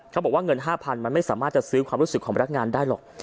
เขาบอกว่าเงิน๕๐๐๐มันไม่สามารถจะซื้อความรู้สึกของพนักงานได้หรอก